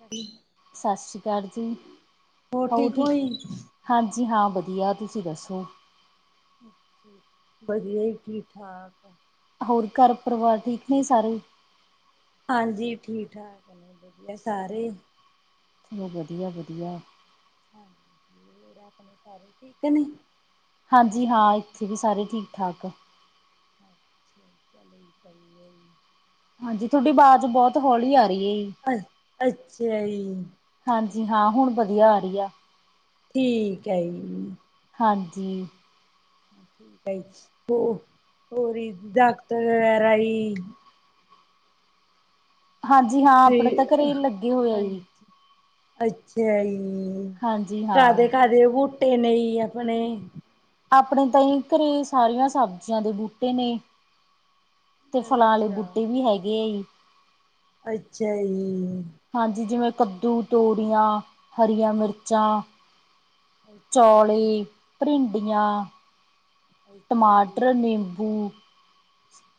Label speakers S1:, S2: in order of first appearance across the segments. S1: ਅੱਛਾ ਜੀ
S2: ਸਤਿ ਸ਼੍ਰੀ ਅਕਾਲ ਜੀ।
S1: ਹੋਰ ਠੀਕ ਹੋਈ।
S2: ਹਾਂਜੀ ਹਾਂ ਵਧੀਆ ਤੁਸੀਂ ਦੱਸੋ?
S1: ਪਰਦੇ ਹੀ ਠਾਕ।
S2: ਹੋਰ ਘਰ ਪਰਿਵਾਰ ਠੀਕ ਨੇ ਸਾਰੇ।
S1: ਹਾਂਜੀ ਠੀਕ ਠਾਕ ਨੇ ਬੰਦੇ ਸਾਰੇ।
S2: ਚਲੋ ਵਧੀਆ ਵਧੀਆ।
S1: [unintelligible] ਸਾਰੇ ਠੀਕ ਨੇ।
S2: ਹਾਂਜੀ ਹਾਂ ਇੱਥੇ ਵੀ ਸਾਰੇ ਠੀਕ ਠਾਕ।
S1: ਅੱਛਾ ਚੱਲ ਚਏ।
S2: ਹਾਂਜੀ ਤੁਹਾਡੀ ਆਵਾਜ਼ ਬਹੁਤ ਹੌਲੀ ਆ ਰਹੀ ਹੈ।
S1: ਅੱਛਾ ਜੀ।
S2: ਹਾਂਜੀ ਹਾਂ ਹੁਣ ਵਧੀਆ ਆ ਰਹੀ ਆ।
S1: ਠੀਕ ਹੈ ਜੀ।
S2: ਹਾਂਜੀ।
S1: ਠੀਕ ਹੈ ਹੋਰ ਦਾਕਤ ਵਗੈਰਾ।
S2: ਹਾਂਜੀ ਹਾਂ ਆਪਣੇ
S1: ਠੀਕ
S2: ਤਾਂ
S1: ਹੈ
S2: ਘਰੇ ਲੱਗੇ ਹੋਏ ਆ ਜੀ
S1: ਹਾਂਜੀ। ਅੱਛਾ ਜੀ
S2: ਹਾਂਜੀ ਹਾਂ
S1: ਘਰ ਦੇ ਘਰ ਦੇ ਬੂਟੇ ਨੇ ਆਪਣੇ।
S2: ਆਪਣੇ ਹੀ ਘਰੇ ਸਾਰੀਆਂ ਸਬਜ਼ੀਆਂ ਦੇ ਬੂਟੇ ਨੇ। ਟਿਫਨ ਵਾਲੇ
S1: ਅੱਛਾ
S2: ਬੂਟੇ ਵੀ ਹੈਗੇ ਆ।
S1: ਅੱਛਾ ਜੀ।
S2: ਹਾਂਜੀ ਜਿਵੇਂ ਕੱਦੂ ਤੋਰੀਆਂ ਹਰੀਆਂ ਮਿਰਚਾਂ
S1: ਅੱਛਾ ਜੀ,
S2: ਚੋਲੀ ਭਿੰਡੀਆਂ
S1: ਅੱਛਾ
S2: ਟਮਾਟਰ
S1: ਜੀ।
S2: ਨਿੰਬੂ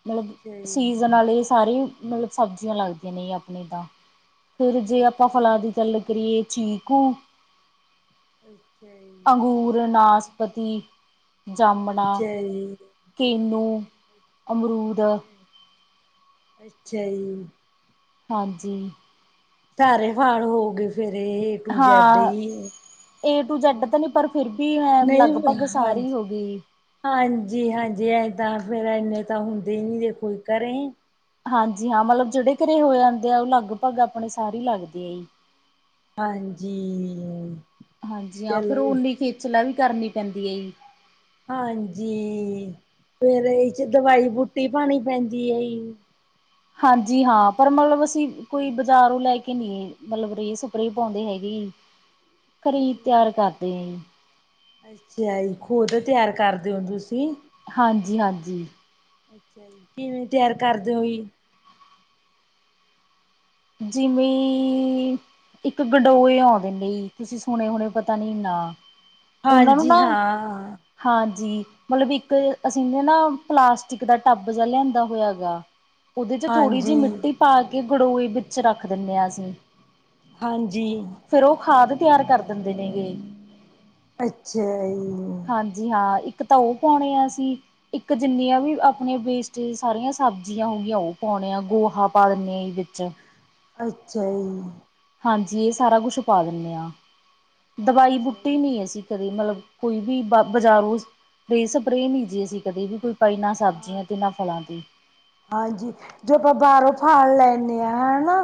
S2: ਨਾਲੇ
S1: ਅੱਛਾ ਜੀ,
S2: ਸੀਜ਼ਨ ਵਾਲੇ ਸਾਰੇ। ਨਾਲੇ ਸਬਜ਼ੀਆਂ ਲੱਗਦੀਆਂ ਨੇ ਆਪਣੇ ਤਾਂ ਫਿਰ ਜੇ ਆਪਾਂ ਫਲਾਂ ਦੀ ਗੱਲ ਕਰੀਏ ਚੀ [unintelligible]
S1: ਅੱਛਾ ਜੀ।
S2: ਵਨਾਸਪਤੀ ਜਾ ਨਾ
S1: ਅੱਛਾ ਜੀ।
S2: ਕਿੰਨੂ, ਅਮਰੂਦ
S1: ਅੱਛਾ, ਅੱਛਾ ਜੀ।
S2: ਹਾਂਜੀ।
S1: ਭੈਰੇ ਹਾਲ ਹੋ ਗਏ ਫੇਰ ਏ ਟੂੰ ਜੈਡ
S2: ਹਾਂ
S1: ਈ।
S2: ਏ ਟੂ ਜੈੱਡ ਤਾਂ ਨੀ ਪਰ ਫਿਰ ਵੀ ਹਾਂ ਲਗਭਗ ਸਾਰੀ ਹੋ ਗਈ।
S1: ਹਾਂਜੀ-ਹਾਂਜੀ, ਐ ਤਾਂ ਫੇਰ ਐਨੇ ਤਾਂ ਹੁੰਦੇ ਈ ਨੀ ਜੇ ਕੋਈ ਕਰੇ।
S2: ਹਾਂਜੀ ਹਾਂ, ਮਲਬ ਜਿਹੜੇ ਘਰੇ ਹੋ ਜਾਂਦੇ ਆ ਉਹ ਲਗਭਗ ਆਪਣੇ ਸਾਰੇ ਈ ਲੱਗਦੇ ਆ ਜੀ।
S1: ਹਾਂਜੀ।
S2: ਹਾਂਜੀ ਹਾਂ, ਫੇਰ
S1: ਚਲੋ ਜੀ,
S2: ਓਨੀ ਖੇਚਲਾ ਵੀ ਕਰਨੀ ਪੈਂਦੀ ਏ ਜੀ।
S1: ਹਾਂਜੀ, ਫੇਰ ਇਹ 'ਚ ਦਵਾਈ ਬੂਟੀ ਪਾਣੀ ਪੈਂਦੀ ਏ ਜੀ।
S2: ਹਾਂਜੀ ਹਾਂ, ਪਰ ਮਲਬ ਅਸੀਂ ਕੋਈ ਬਾਜ਼ਾਰੋਂ ਲੈ ਕੇ ਨੀ ਮਲਬ ਰੇ-ਸਪ੍ਰ‌ੇਂ ਪਾਉਂਦੇ ਹੈਗੇ ਈ
S1: ਠੀਕ ਐ, ਅੱਛਾ ਜੀ, ਖੁਦ ਤਿਆਰ ਕਰਦੇ ਓ ਤੁਸੀਂ?
S2: ਹਾਂਜੀ-ਹਾਂਜੀ।
S1: ਅੱਛਾ ਜੀ, ਕਿਵੇਂ ਤਿਆਰ ਕਰਦੇ ਓ ਯੀ?
S2: ਜਿਵੇਂ ਈ ਇੱਕ ਗਡੋਏ ਆਉਂਦੇ ਨੇ ਜ਼ੀ, ਤੁਸੀਂ ਸੁਣੇ ਹੁਣੇ ਪਤਾ ਨੀ ਨਾ। ਉਨ੍ਹਾਂ ਨੂੰ ਨਾ,
S1: ਹਾਂਜੀ ਹਾਂ
S2: ਹਾਂਜੀ ਮਲਬ ਇੱਕ ਅਸੀਂ ਨੇ ਨਾ ਪਲਾਸਟਿਕ ਦਾ ਟੱਬ ਜਿਆ ਲਿਆਂਦਾ ਹੋਇਆ ਐਗਾ। ਉਦੇ 'ਚ ਥੋੜ੍ਹੀ ਜੀ‌
S1: ਹਾਂਜੀ
S2: ਮਿੱਟੀ ਪਾ ਕੇ ਗੜੋਏ ਵਿੱਚ ਰੱਖ ਦਿੰਨੇ ਆ ਅਸੀਂ।
S1: ਹਾਂਜੀ।
S2: ਫਿਰ ਓ ਖਾਦ ਤਿਆਰ ਕਰ ਦਿੰਦੇ ਨੇਂਗੇ।
S1: ਅੱਛਾ ਯੀ।
S2: ਹਾਂਜੀ ਹਾਂ ਇੱਕ ਤਾਂ ਓ ਪਾਉਣੇ ਆ ਅਸੀਂ ਇੱਕ ਜਿੰਨੀਆਂ ਵੀ ਆਪਣੇ ਵੇਸਟੇਜ ਸਾਰੀਆਂ ਸਬਜ਼ੀਆਂ ਹੋਗੀਆਂ ਉਹ ਪਾਉਣੇ ਆ। ਗੋਹਾ ਪਾ ਦਿੰਨੇ ਯੀ ਵਿੱਚ।
S1: ਅੱਛਾ ਜੀ।
S2: ਹਾਂਜੀ ਇਹ ਸਾਰਾ ਕੁਛ ਪਾ ਦਿੰਨੇ ਆ। ਦਵਾਈ
S1: ਅੱਛਾ
S2: ਬੂਟੀ
S1: ਜੀ
S2: ਨੀ ਅਸੀਂ ਕਦੇ ਮਲਬ ਕੋਈ ਵੀ ਬ-ਬਜ਼ਾਰੋਜ਼ ਬੇ- ਸਪ੍ਰੇ ਨੀ ਜੀ ਅਸੀਂ ਕਦੇ ਵੀ ਪਾਈ ਨਾ
S1: ਹਾਂ
S2: ਸਬਜ਼ੀਆਂ ਤੇ ਨਾ ਫਲਾਂ ਤੇ।
S1: ਹਾਂਜੀ, ਜੋਪਾਂ ਬਾਹਰੋਂ ਫਲ ਲੈਨੇ ਆ ਹਨਾ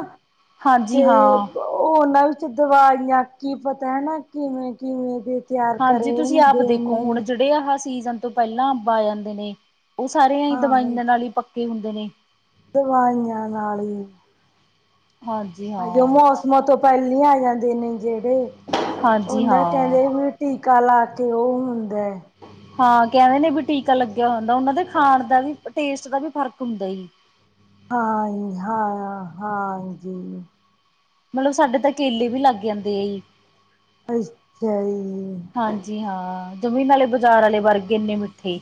S1: ਤੇ
S2: ਹਾਂਜੀ ਹਾਂ
S1: ਉਹਨਾਂ ਵਿੱਚ ਦਵਾਈਆਂ ਕੀ ਪਤਾ ਹੈਨਾ ਕੀਵੇਂ-ਕੀਵੇਂ ਦੇ ਤਿਆਰ
S2: ਹਾਂਜੀ,
S1: ਕਰੇ
S2: ਤੁਸੀਂ ਆਪ
S1: ਹੁੰਦੇ
S2: ਦੇਖੋ ਹੁਣ
S1: ਨੇ
S2: ਜਿਹੜੇ ਆਹਾ ਸੀਜ਼ਨ ਤੋਂ ਪਹਿਲਾਂ ਅੰਬ ਆ ਜਾਂਦੇ ਨੇ, ਉਹ ਸਾਰਿਆਂ ਈ
S1: ਹਾਂ
S2: ਦਵਾਈਆਂ ਨਾਲ ਈ ਪੱਕੇ ਹੁੰਦੇ ਨੇ।
S1: ਦਵਾਈਆਂ ਨਾਲ ਈ
S2: ਹਾਂ
S1: ਹਜੀ, ਓ ਮੌਸਮਾਂ ਤੋਂ ਪਹਿਲੀ ਆ ਜਾਂਦੇ ਨੇ ਜੇੜੇ,
S2: ਹਾਂਜੀ
S1: ਉਨ੍ਹਾਂ
S2: ਹਾਂ
S1: ਕਹਿੰਦੇ ਵੀ ਟੀਕਾ ਲਾ ਕੇ ਓ ਹੁੰਦਾ ਏ
S2: ਹਾਂ ਕਹਿਦੇ ਨੇ ਵੀ ਟੀਕਾ ਲੱਗਿਆ ਹੁੰਦਾ ਉਹਨਾਂ ਦੇ ਖਾਣ ਦਾ ਵੀ, ਟੇਸਟ ਦਾ ਵੀ, ਫ਼ਰਕ ਹੁੰਦਾ ਯੀ।
S1: ਹਾਂ-ਹਾਂ-ਹਾਂਜੀ।
S2: ਮਲਬ ਸਾਡੇ ਤਾਂ ਕੇਲੇ ਵੀ ਲੱਗ ਜਾਂਦੇ ਏ ਯੀ।
S1: ਅੱਛਾ ਯੀ।
S2: ਹਾਂਜੀ ਹਾਂ, ਜਮੀ ਨਾਲੇ ਬਜ਼ਾਰ ਆਲੇ ਵਰਗੇ ਇੰਨੇ ਮਿੱਠੇ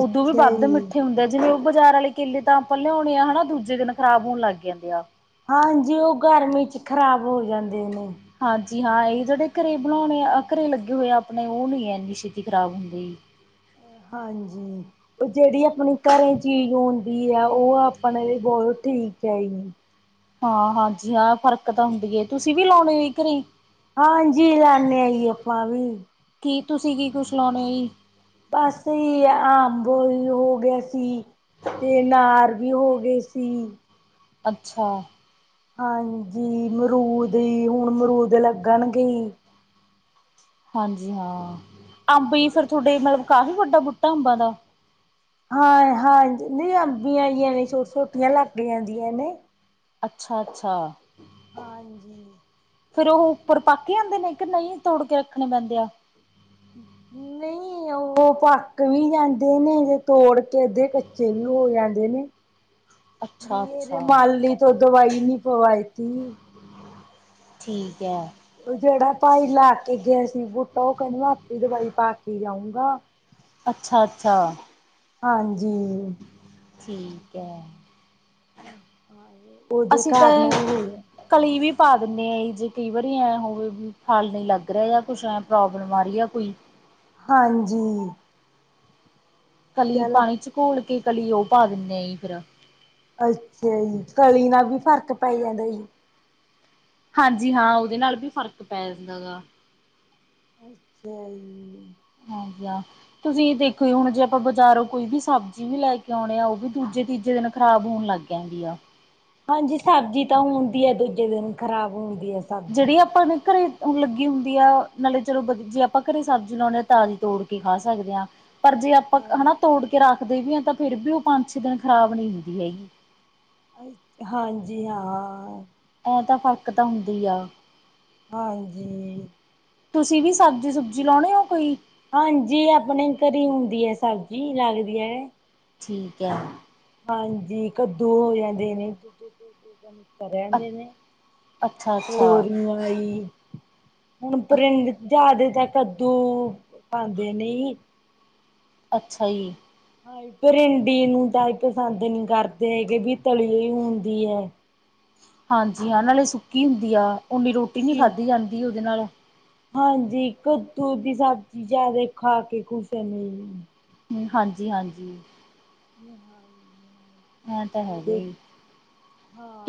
S2: ਉਦੋਂ ਵੀ ਬਣਦਾ
S1: ਜੀ
S2: ਮਿੱਠੇ ਹੁੰਦੇ, ਜਿਵੇਂ ਬਾਜ਼ਾਰ ਵਾਲੇ ਕੇਲੇ ਤਾਂ ਆਪਾ ਲਿਓਨੇ ਆ ਹੇਣਾ, ਦੂਜੇ ਦਿਨ ਖਰਾਬ ਹੋਣ ਲੱਗ ਜਾਂਦੇ ਆ
S1: ਹਾਂਜੀ ਉਹ ਗਰਮੀ ਚ ਖ਼ਰਾਬ ਹੋ ਜਾਂਦੇ ਨੇ
S2: ਹਾਂਜੀ ਹਾਂ ਇਹ ਜਿਹੜੇ ਘਰੇ ਬਣਾਉਣੇ ਆ ਘਰੇ ਲੱਗੇ ਹੋਏ ਆ ਆਪਣੇ ਉਹ ਨਹੀ ਇੰਨੀ ਛੇਤੀ ਖਰਾਬ ਹੋਂਦੇ।
S1: ਹਾਂਜੀ ਉਹ ਜਿਹੜੀ ਆਪਣੀ ਘਰੇ ਚੀਜ਼ ਆਉਂਦੀ ਹੈ, ਉਹ ਆਪਣੇ ਲਈ ਬਹੁਤ ਠੀਕ ਹੈ।
S2: ਹਾਂ, ਹਾਂਜੀ ਹਾਂ, ਫਰਕ ਤਾਂ ਹੁੰਦੀ ਹੇ, ਤੁਸੀਂ ਵੀ ਲਾਉਣੇ ਘਰੇ।
S1: ਹਾਂਜੀ, ਲਾਦੇੇ ਏਯੋ ਆਪਾਂ ਵੀ।
S2: ਕੀ, ਤੁਸੀਂ, ਕੀ ਕੁਛ ਲੈਨਾ ਆ ਜੀ?
S1: ਅਸੀ, ਆ ਬੋਲ ਹੋ ਗਏ ਸੀ। ਤੇ, ਅਨਾਰ ਵੀ ਹੋ ਗਏ ਸੀ।
S2: ਅੱਛਾ।
S1: ਹਾਂਜੀ, ਮਰੂਦ ਈ ਹੁਣ ਮਰੂਦ ਲੱਗਣ ਗੇਈ।
S2: ਹਾਂਜੀ, ਹਾਂ। ਅੰਬ ਈ
S1: ਹਾਂ
S2: ਫਿਰ ਤੁਹਾਡੇ ਮਲਬ ਕਾਫ਼ੀ ਵੱਡਾ ਬੂਟਾ ਅੰਬਾਂ ਦਾ?
S1: ਹਾਂਏ-ਹਾਂਏ ਜੀ ਨਹੀਂ ਅੰਬੀਆਂ ਯੀਆ ਨੇ ਛੋਟ-ਛੋਟੀਆਂ ਲਾਗੀਆਂ ਜੀਆਂ ਨੇ।
S2: ਅੱਛਾ-ਅੱਛਾ।
S1: ਹਾਂਜੀ।
S2: ਫੇਰ ਉਹ ਉੱਪਰ ਪੱਕ ਜਾਂਦੇ ਨੇ ਕਿ ਨਹੀਂ, ਤੋੜ ਕੇ ਰੱਖਣੇ ਪੈਂਦੇ ਆ?
S1: ਨਈਂ ਉਹ ਪੱਕ ਵੀ ਜਾਂਦੇ ਨੇ ਜੇ ਤੋੜ ਤੇ ਅੱਧੇ ਕੱਚੇ ਵੀ ਹੋ ਜਾਂਦੇ ਨੇ।
S2: ਅੱਛਾ
S1: ਬੀਰ
S2: ਅੱਛਾ
S1: ਮਾਲੀ ਤੋਂ ਦਵਾਈ ਨੀ ਪਵਾਈ ਤੀ।
S2: ਠੀਕ ਹੈ।
S1: ਓ ਜੇੜਾ ਭਾਈ ਲਾ ਕੇ ਗਿਆ ਸੀ ਬੂਟਾ ਉਹ ਕਹਿੰਦਾ, ਆਪੇ ਦਵਾਈ ਪਾ ਕੇ ਜਾਊਂਗਾ।
S2: ਅੱਛਾ-ਅੱਛਾ।
S1: ਹਾਂਜੀ।
S2: ਠੀਕ ਹੈ।
S1: ਉਦੋ
S2: ਅਸੀਂ ਤਾਂ
S1: ਕਾਰ ਨੂੰ ਹੋਇ।
S2: ਕਲੀ ਵੀ ਪਾ ਦਿੰਦੇ ਆ, ਜੇ ਕਈ ਵਾਰੀ ਐਂ ਹੋਵੇ ਵੀ ਫਲ ਨਹੀਂ ਲੱਗ ਰਿਹਾ ਜਾਂ ਕੁਛ ਐਂ ਪ੍ਰੋਬਲਮ ਆ ਰਹੀ ਆ ਕੋਈ।
S1: ਹਾਂਜੀ
S2: ਕਲੀ
S1: ਚੱਲ
S2: ਪਾਣੀ ਚ ਘੋਲ ਕੇ, ਕਲੀ ਉਹ ਪਾ ਦਿੰਦੇੇ ਫੇਰ।
S1: ਅੱਛਾ ਜੀ, ਕਲੀ ਨਾਲ ਵੀ ਫ਼ਰਕ ਪੈ ਜਾਂਦਾ ਜੀ।
S2: ਹਾਂਜੀ, ਹਾਂ, ਉਦੇ ਨਾਲ ਵੀ ਫ਼ਰਕ ਪੈ ਜਾਂਦਾ, ਗਾ
S1: ਅੱਛਾ ਜੀ
S2: ਹਾਂਜੀ ਹਾਂ ਤੁਸੀਂ ਦੇਖੋ ਹੁਣ ਜੇ, ਆਪਾਂ ਬਾਜ਼ਾਰੋਂ ਕੋਈ ਵੀ ਸਬਜ਼ੀ ਵੀ ਲੈ ਕੇ ਆਉਣੇ ਆ, ਓ ਵੀ ਦੂਜੇ, ਤੀਜੇ ਦਿਨ ਖ਼ਰਾਬ ਹੋਣ ਲੱਗ ਗਏ ਕੈਂਡੀਆ
S1: ਹਾਂਜੀ ਸਾਬਜ਼ੀ ਤਾਂ ਹੁਣਦੀ ਐ ਦੂਜੇ ਦਿਨ ਖ਼ਰਾਬ ਹੁੰਦੀ ਐ।
S2: ਜੇੜੀ ਆਪਾਂ ਨੇ ਘਰੇ ਲੱਗੀ ਹੁੰਦੀ ਆ ਨਾਲੇ ਚਲੋ ਜੇ ਆਪਾਂ ਘਰੇ ਸਬਜ਼ੀ ਲੋਂਦੇ ਹਾਂ ਤਾਜੀ ਤੋੜ ਕੇ ਖਾ ਸਕਦੇ ਹਾਂ ਪਰ ਜੇ ਆਪਾਂ ਹੈਨਾ
S1: ਹਾਂ
S2: ਤੋੜ ਕੇ ਰੱਖਦੇ ਵੀ ਹਾਂ ਤਾਂ ਫੇਰ ਵੀ ਉਹ ਪੰਜ ਛੇ ਦਿਨ ਖ਼ਰਾਬ ਨੀ ਹੁੰਦੀ ਹੈਗੀ।
S1: ਅ ਹਾਂਜੀ ਹਾਂ।
S2: ਐ ਤਾਂ ਫਰਕ ਤਾਂ ਹੁੰਦੀ ਆ।
S1: ਹਾਂਜੀ।
S2: ਤੁਸੀਂ ਵੀ ਸਬਜ਼ੀ ਸੁਬਜੀ ਲਾਉਣੇ ਓ ਕੋਈ?
S1: ਹਾਂਜੀ ਆਪਣੇ ਘਰੇ ਹੁੰਦੀ ਹੈ ਸਬਜ਼ੀ ਲੱਗਦੀ ਹੈ।
S2: ਠੀਕ ਹੈ।
S1: ਹਾਂਜੀ ਕੱਦੂ ਹੋ ਜਾਂਦੇ ਨੇ [unintelligible]
S2: ਅ
S1: ਰੈਂਦੇ ਨੇ
S2: ਅੱਛਾ ਅੱਛਾ
S1: ਤੋਰੀਆਂ ਈ ਹੁਣ ਪਰਿੰਦ ਜਿਆਦਾ ਤਾਂ ਕੱਦੂ ਖਾਂਦੇ ਨਈ।
S2: ਅੱਛਾ ਜੀ।
S1: ਹਾ ਪਰਿੰਡੀ ਨੂੰ ਤਾਂ ਐ ਪਸੰਦ ਨਹੀਂ ਕਰਦੇ ਹੈਗੇ ਵੀ ਤਲੀਈ ਹੁੰਦੀ ਹੈ।
S2: ਹਾਂਜੀ। ਹਾਂ ਨਾਲੇ ਸੁੱਕੀ ਹੁੰਦੀ ਆ, ਓਨੀ ਰੋਟੀ ਨੀ ਖਾਧੀ ਜਾਂਦੀ ਉਹਦੇ ਨਾਲ।
S1: ਹਾਂਜੀ। ਕੱਦੂ ਦੀ ਸਬਜ਼ੀ ਜਿਆਦਾ ਖਾ ਕੇ ਖੁਸ਼ ਨੇ।
S2: ਹਾਂਜੀ- ਹਾਂਜੀ।
S1: [inaudible]
S2: ਐ ਤਾਂ ਹੈਗਾ
S1: ਉਹਦੇ
S2: ਹੀ,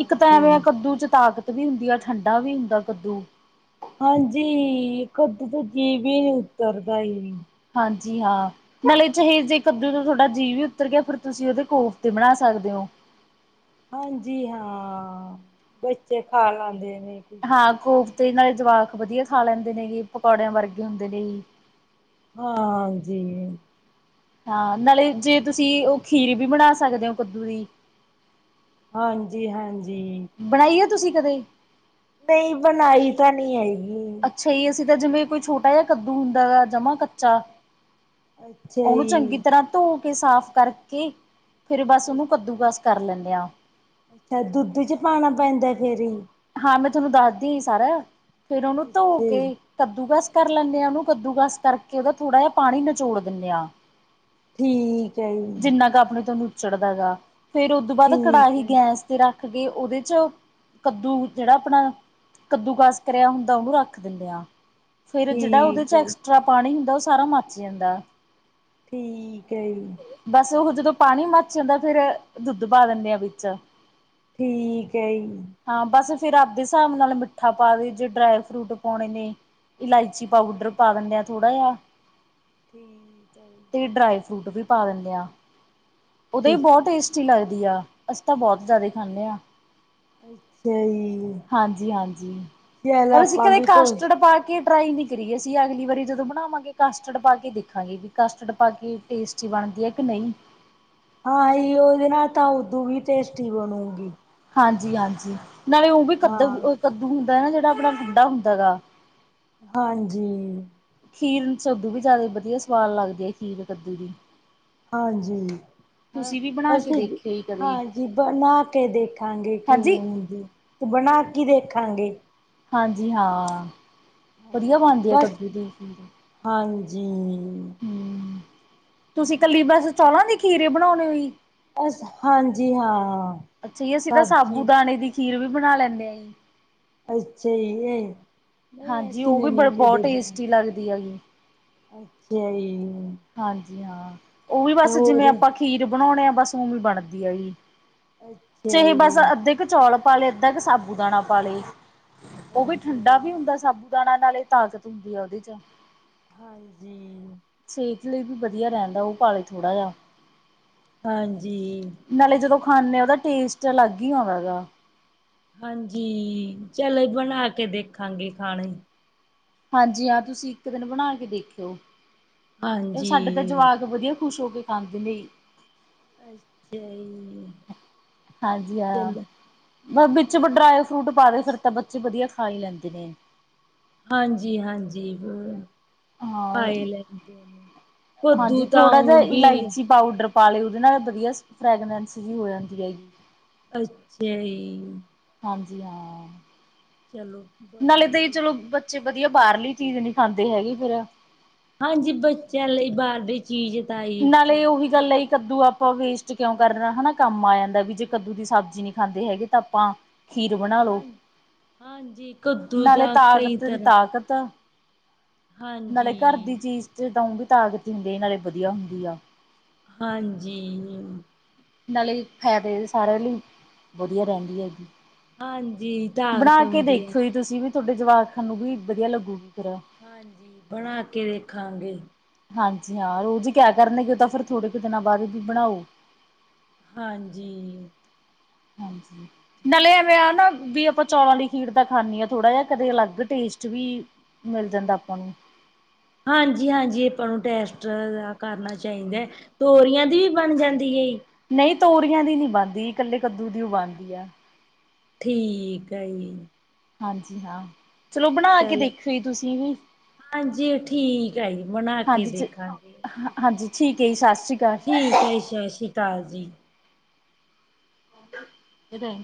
S2: ਇੱਕ ਤਾਂ ਐਵੇਂ ਕੱਦੂ ਚ' ਤਕ ਤਵੀ ਹੁੰ ਆ ਠੰਡਾ ਵੀ ਹੁੰਦਾ ਕੱਦੂ।
S1: ਹਾਂਜੀ। ਕਦੁ ਤੋਂ ਜੀਭ ਹੀ ਨਹੀਂ ਉੱਤਰਦਾ ਈ।
S2: ਹਾਂਜੀ। ਹਾਂ। ਨਾਲੇ ਚੇ ਜੇ ਕੱਦੂ ਤੋਂ ਤੁਹਾਡਾ ਜੀਅ ਵੀ ਉਤਰ ਗਿਆ, ਫਿਰ ਤੁਸੀਂ ਉਹਦੇ ਕੋਫਤੇ ਬਣਾ ਸਕਦੇ ਹੋ।
S1: ਹਾਂਜੀ। ਹਾਂ, ਬੱਚੇ ਖਾ ਲਾਂਦੇ ਨੇ। ਖੁਸ਼
S2: ਹਾਂ
S1: ਹੋ ਕੇ।
S2: ਕੋਫਤੇ ਨਾਲੇ ਜਵਾਕ ਵਧੀਆ ਖਾ ਲੈਂਦੇ ਨੇ ਏ ਪਕੌੜਿਆਂ ਵਰਗੇ ਹੁੰਦੇ ਨੇ ਜੀ।
S1: ਹਾਂਜੀ।
S2: ਹਾਂ ਨਾਲੇ ਜੇ ਤੁਸੀਂ ਉਹ ਖੀਰੀ ਵੀ ਬਣਾ ਸਕਦੇ ਹੋ ਕੱਦੂ ਦੀ।
S1: ਹਾਂਜੀ-ਹਾਂਜੀ।
S2: ਬਣਾਈ ਐ ਤੁਸੀਂ ਕਦੇ?
S1: ਨਹੀਂ ਬਣਾਈ ਤਾਂ ਨਹੀਂ ਹੈਗੀ।
S2: ਸਹੀ ਅਸੀਂ ਤਾਂ ਜਿਵੇਂ ਕੋਈ ਛੋਟਾ ਜਿਹਾ ਕੱਦੂ ਹੁੰਦਾ ਵਾ ਜਮਾ ਕੱਚਾ
S1: ਅੱਛਾ
S2: ਏਨੂੰ ਚੰਗੀ
S1: ਜੀ,
S2: ਤਰ੍ਹਾਂ ਧੋ ਕੇ ਸਾਫ਼ ਕਰਕੇ ਫੇਰ ਬਸ ਉਹਨੂੰ ਕੱਦੂਕਸ ਕਰ ਲੈਂਨੇ ਆ
S1: ਦੁੱਧ ਚ ਪਾਣਾ ਪੈਂਦਾ ਫੇਰ ਹੀ
S2: ਹਾਂ, ਮੈਂ ਤੁਹਾਨੂੰ ਦੱਸਦੀ ਸੀ ਸਾਰਾ, ਫੇਰ ਉਹਨੂੰ ਧੋ
S1: ਅੱਛਾ
S2: ਕੇ
S1: ਜੀ,
S2: ਕੱਦੂਕਸ ਕਰ ਲੈਨੇ ਆ ਉਹਨੂੰ ਕੱਦੂਕਸ ਕਰਕੇ ਉਹਦਾ ਥੋੜਾ ਜਿਹਾ ਪਾਣੀ ਨਚੋੜ ਦਿੰਨੇ ਆ।
S1: ਠੀਕ ਹੈ ਜੀ।
S2: ਕਿੰਨਾ ਕੁ ਆਪਣੇ ਤੁਹਾਨੂੰ ਉੱਚੜਦਾ ਹੇਗਾ, ਫੇਰ ਉਹ ਤੋਂ ਬਾਅਦ
S1: ਠੀਕ
S2: ਕੜਾਹੀ
S1: ਹੈ
S2: ਗੈਸ ਤੇ ਰੱਖ ਕੇ ਉਹਦੇ ਚ' ਕੱਦੂ ਜਿਹੜਾ ਆਪਣਾ ਕੱਦੂ ਕਸ ਕਰਿਆ ਹੁੰਦਾ ਉਹਨੂੰ ਰੱਖ ਦਿੰਦੇਿਆ। ਫੇਰ ਜਿਹੜਾ ਉਹਦੇ
S1: ਠੀਕ
S2: ਚ'
S1: ਹੈ
S2: ਐਕਸਟਰਾ ਪਾਣੀ ਹੁੰਦਾ, ਉਹ ਸਾਰਾ ਮੱਚ ਜਾਂਦਾ।
S1: ਠੀਕ ਹੈ ਜੀ।
S2: ਬਸ ਉਹ ਜਦੋਂ ਪਾਣੀ ਮਰਚ ਜਾਂਦਾ, ਫੇਰ ਦੁੱਧ ਪਾ ਦਿੰਦੇ ਆ ਵਿੱਚ।
S1: ਠੀਕ ਹੈ ਜੀ।
S2: ਹਾਂ, ਬਸ ਫੇਰ ਆਪਦੇ ਹਿਸਾਬ ਨਾਲ ਮਿੱਠਾ ਪਾ ਦੇ, ਜੇ ਡਰਾਈ ਫਰੂਟ ਪਾਉਣੇ ਨੇ, ਇਲਾਇਚੀ ਪਾਊਡਰ ਪਾ ਦਿੰਦੇ ਆ ਥੋੜ੍ਹਾ ਜਿਹਾ,
S1: ਠੀਕ ਹੈ
S2: ਤੇ ਡਰਾਈ ਫਰੂਟ ਵੀ ਪਾ ਦਿੰਦੇ ਹਾਂ, ਉਹਦੇ ਹੀ
S1: ਠੀਕ
S2: ਬਹੁਤ ਟੇਸਟੀ ਲੱਗਦੀ ਆ ਅਸੀਂ ਤਾਂ ਬਹੁਤ ਜ਼ਿਆਦਾ
S1: ਠੀਕ
S2: ਖਾਂਦੇ ਹਾਂ।
S1: ਅੱਛਾ ਜੀ।
S2: ਹਾਂਜੀ- ਹਾਂਜੀ।
S1: ਚੱਲ
S2: ਪਰ ਅਸੀਂ
S1: ਆਪਾਂ
S2: ਕਦੇ
S1: ਵੀ ਕੋਸ਼
S2: ਕਾਸਟਡ ਪਾ ਕੇ ਟਰਾਈ ਨਹੀਂ ਕਰੀਏ ਅਸੀਂ, ਅਗਲੀ ਵਾਰੀ ਜਦੋਂ ਬਣਾਵਾਂਗੇ ਕਸਟਰਡ ਪਾ ਕੇ ਦੇਖਾਂਗੇ, ਵੀ ਕਸਟਰਡ ਪਾ ਕੇ ਟੇਸਟੀ ਬਣਦੀ ਹੈ ਕਿ ਨਹੀਂ।
S1: ਹਾਂ, ਹੀ ਉਹ ਜਾ ਨਾ ਤਾਂ ਉਦੋਂ ਵੀ ਟੇਸਟੀ ਬਣੂਗੀ।
S2: ਹਾਂਜੀ- ਹਾਂਜੀ। ਨਾਲੇ ਉਹ ਵੀ
S1: ਹਾਂ
S2: ਕੱਦੂ, ਕੱਦੂ ਹੁੰਦਾ ਨਾ ਜਿਹੜਾ ਆਪਣਾ ਗੁੰਡਾ ਹੁੰਦਾ ਹੇਗਾ।
S1: ਹਾਂਜੀ।
S2: ਖੀਰ ਕਦੂ ਵੀ ਜ਼ਿਆਦਾ ਵਧੀਆ ਸਵਾਦ ਲੱਗਦੀ ਹੈ, ਖੀਰ ਕੱਦੂ ਦੀ।
S1: ਹਾਂਜੀ।
S2: ਤੁਸੀਂ ਵੀ ਬਣਾ ਕੇ
S1: ਅਸੀਂ
S2: ਦੇਖਿਓ ਹੀ ਕਦੇ
S1: ਹਾਂਜੀ, ਬਣਾ ਕੇ ਦੇਖਾਂਗੇ
S2: ਹਾਂਜੀ
S1: ਕਿਵੇਂ ਹੁੰਦੀ। ਤੇ ਬਣਾ ਕੀ ਦੇਖਾਂਗੇ।
S2: ਹਾਂਜੀ ਹਾਂ, ਵਧੀਆ
S1: ਹਾਂਜੀ
S2: ਬਣਦੀ ਆ
S1: ਬਸ
S2: ਕੱਦੂ ਦੀ ਖੀਰ।
S1: ਹਾਂਜੀ।
S2: ਹੂ, ਤੁਸੀਂ ਕੱਲੀ ਬਸ ਚੌਲਾਂ ਦੇ ਖੀਰੇ ਬਣਾਉਣੇ ਹੋ।
S1: ਅ ਹਾਂਜੀ। ਹਾਂ,
S2: ਅੱਛਾ ਜੀ ਅਸੀਂ ਤਾਂ ਸਾਬੂ
S1: ਸਬਜ਼ੀ
S2: ਦਾਣੇ ਦੀ ਖੀਰ ਵੀ ਬਣਾ ਲੈਂਦੇ ਆ ਜੀ।
S1: ਅੱਛਾ ਜੀ ਨਹੀਂ
S2: ਹਾਂਜੀ।
S1: ਅਸੀਂ
S2: ਉਹ
S1: ਨੇ
S2: ਵੀ ਬ
S1: ਨਹੀਂ
S2: ਬਹੁਤ
S1: ਕਦੇ ਬਣਾਈ
S2: ਟੇਸਟੀ ਲੱਗਦੀ ਹੈਗੀ।
S1: ਅੱਛਾ ਜੀ।
S2: ਹਾਂਜੀ। ਹਾਂ, ਉਹ ਵੀ
S1: ਤੇ
S2: ਬਸ
S1: ਹੋਰ
S2: ਜਿਵੇਂ ਆਪਾਂ ਖੀਰ ਬਣਾਉਣੇ ਆ ਬਸ ਉਵੇਂ ਬਣਦੀ ਆ ਜੀ।
S1: ਅੱਛਾ
S2: ਚਹੇ ਬਸ
S1: ਜੀ
S2: ਅੱਧੇ ਕੁ ਚੌਲ ਪਾ ਲਏ, ਅੱਧਾ ਕੁ ਸਾਬੂ ਦਾਣਾ ਪਾ ਲਏ। ਉਹ ਵੀ
S1: ਅੱਛਾ
S2: ਠੰਡਾ
S1: ਜੀ
S2: ਵੀ ਹੁੰਦਾ ਸਾਬੂ ਦਾਣਾ ਨਾਲੇ ਤਾਕਤ ਹੁੰਦੀ ਆ ਉਹਦੇ ਚ'।
S1: ਹਾਂਜੀ।
S2: ਸਿਹਤ ਲਈ ਵੀ ਵਧੀਆ ਰਹਿੰਦਾ, ਉਹ ਪਾਲੇ ਥੋੜਾ ਜਿਹਾ।
S1: ਹਾਂਜੀ।
S2: ਨਾਲੇ ਜਦੋਂ ਖਾਂਨੇ ਹਾਂ, ਉਹਦਾ ਟੇਸਟ ਅਲੱਗ ਹੀ ਆਉਂਦਾ ਹੈਗਾ।
S1: ਹਾਂਜੀ, ਚੱਲ ਬਣਾ ਕੇ ਦੇਖਾਂਗੇ ਖਾਣੇ।
S2: ਹਾਂਜੀ, ਹਾਂ ਤੁਸੀਂ ਇੱਕ ਦਿਨ ਬਣਾ ਕੇ ਦੇਖਿਓ। ਤੇ ਉਹ
S1: ਹਾਂਜੀ
S2: ਸਾਡੇ ਤਾਂ ਜਵਾਕ ਵਧੀਆ ਖ਼ੁਸ਼ ਹੋ ਕੇ ਖਾਂਦੇ ਨੇ।
S1: ਅੱਛਾ ਜੀ।
S2: ਹਾਂਜੀ
S1: ਚੱਲ
S2: ਹਾਂ ਵਿੱਚ
S1: ਚੱਲ
S2: ਵਡਰਾਏ ਫਰੂਟ ਪਾ ਦੇ ਫਿਰ ਤਾਂ ਬੱਚੇ ਵਧੀਆ ਖਾ ਲੈਂਦੇ ਨੇ।
S1: ਹਾਂਜੀ, ਹਾਂਜੀ ਹੁੰ।
S2: ਹਾਂ
S1: ਖਾਏ ਲੈਂਦੇ ਨੇ ਕੱਦੂ
S2: ਹਾਂਜੀ
S1: ਤਾਂ
S2: ਥੋੜਾ ਜਿਹਾ
S1: ਆਊ ਵੀ
S2: ਇਲਾਇਚੀ ਪਾਊਡਰ ਪਾ ਲਏ ਉਹਦੇ ਨਾਲ ਵਧੀਆ ਫਰੈਗਨੈਂਸ ਜਿ ਹੋ ਜਾਂਦੀ ਹੈਗੀ।
S1: ਅੱਛਾ ਜੀ।
S2: ਹਾਂਜੀ ਹਾਂ।
S1: ਚਲੋ।
S2: ਨਾਲੇ ਤਾਂ
S1: ਵਧੀਆ
S2: ਹੀ
S1: ਈ।
S2: ਚਲੋ ਬੱਚੇ ਵਧੀਆ ਬਾਹਰਲੀ ਚੀਜ਼ ਨਹੀਂ ਖਾਂਦੇ ਹੈਗੇ ਫੇਰ।
S1: ਹਾਂਜੀ ਬੱਚਿਆਂ ਲਈ ਬਾਹਰ- ਚੀਜ਼ ਤ-
S2: ਨਾਲੇ ਉਹੀ ਗੱਲ ਹੈਲ ਕੱਦੂ ਆਪਾਂ ਵੇਸਟ ਕਿਉਂ ਕਰਨਾ ਹਨਾ ਕੰਮ ਆ ਜਾਂਦਾ। ਤਾਂ ਵੀ ਜੇ ਕੱਦੂ ਦੀ ਸਬਜ਼ੀ ਨਹੀਂ ਖਾਂਦੇ ਹੈਗੇ ਤਾਂ ਆਪਾਂ- ਖੀਰ ਬਣਾ
S1: ਹਾਂ
S2: ਲੋ,
S1: ਹਾਂਜੀ ਕੱਦੂ
S2: ਨਾਲੇ
S1: ਦਾ ਕਈ
S2: ਤਾਕਤ ਦੀ
S1: ਤਰ੍ਹਾਂ
S2: ਤਾਕਤ- ਨਾਲੇ ਘਰ ਦੀ
S1: ਹਾਂਜੀ
S2: ਚੀਜ਼ ਤੇ ਤਾਂ ਉਹ ਵੀ ਤਾਕਤ ਹੁੰਦੀ ਆ, ਨਾਲੇ ਵਧੀਆ ਹੁੰਦੀ ਆ।
S1: ਹਾਂਜੀ।
S2: ਨਾਲੇ ਫਾਇਦੇ ਸਾਰੇ ਲਈ ਵਧੀਆ ਰਹਿੰਦੀ ਹੈ ਜੀ।
S1: ਹਾਂਜੀ
S2: ਬਣਾ
S1: ਤਾਕਤ
S2: ਕੇ
S1: ਹੁੰਦੀ ਐ।
S2: ਦੇਖਿਓ ਜੀ ਤੁਸੀਂ ਵੀ ਤੁਹਾਡੇ ਜਵਾਕ ਖਾਨ ਨੂੰ ਵੀ ਵਧੀਆ ਲੱਗੂਗੀ ਫਿਰ।
S1: ਹਾਂਜੀ, ਬਣਾ ਕੇ ਦੇਖਾਂਗੇ।
S2: ਹਾਂਜੀ, ਹਾਂ ਰੋਜ਼ ਕਿਆ ਕਰਨਗੇ ਤਾਂ ਫਿਰ ਥੋੜੇ ਕੁ ਦਿਨਾਂ ਬਾਅਦ ਵੀ ਬਣਾਓ।
S1: ਹਾਂਜੀ।
S2: ਹਾਂਜੀ। ਨਾਲੇ ਐਵੇਂ ਆ ਨਾ ਵੀ ਆਪਾਂ ਚੌਲਾਂ ਦੀ ਖੀਰ ਦਾ ਖਾਂਣੀ ਆ, ਥੋੜਾ ਜਾਹਾ ਕਦੇ ਅਲੱਗ ਟੇਸਟ ਵੀ- ਮਿਲ ਜਾਂਦਾ ਆਪਾਂ ਨੂੰ।
S1: ਹਾਂਜੀ, ਹਾਂਜੀ ਆਪਾਂ ਨੂੰ ਟੈਸਟ ਕਰਨਾ ਚਾਹੀਦਾ ਹੈ। ਤੋਰੀਆਂ ਦੀ ਵੀ ਬਣ ਜਾਂਦੀ ਹੈ?
S2: ਨਹੀਂ, ਤੋਰੀਆਂ ਦੀ ਨੀ ਬਣਦੀ ਕੱਲੇ ਕੱਦੂ ਦੀਉ ਬਣਦੀ ਆ।
S1: ਠੀਕ ਆ ਜੀ।
S2: ਹਾਂਜੀ, ਹਾਂ ਚਲੋ ਬਣਾ ਕੇ
S1: ਚਲੋ
S2: ਦੇਖੋ ਤੁਸੀਂ ਵੀ।
S1: ਹਾਂਜੀ, ਠੀਕ ਆ ਜੀ ਬਣਾ ਕੇ
S2: ਹਾਂਜੀ। ਚ
S1: ਦੇਖਾਂਗੇ।
S2: ਹਾਂਜੀ ਠੀਕ ਹੈ ਜੀ। ਸਤਿ ਸ਼੍ਰੀ ਅਕਾਲ।
S1: ਠੀਕ ਹੈ ਜੀ, ਸਤਿ ਸ਼੍ਰੀ ਅਕਾਲ ਜੀ।
S2: ਇਹਦਾ-